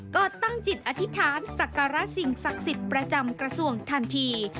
ก็ตั้งจิตอธิษฐานสักการะสิ่งศักดิ์สิทธิ์ประจำกระทรวงทันที